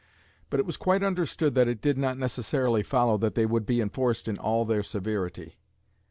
But it was quite understood that it did not necessarily follow that they would be enforced in all their severity.